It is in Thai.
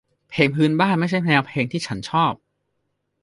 เพลงพื้นบ้านไม่ใช่แนวเพลงที่ฉันชอบ